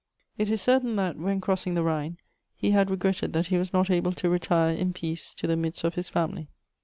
It is certain that, when crossing the Rhine, he had regretted that he was not able to retire in peace to the midst of his family.